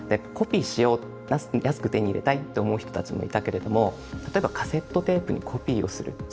「コピーしよう。安く手に入れたい」って思う人たちもいたけれども例えばカセットテープにコピーをする。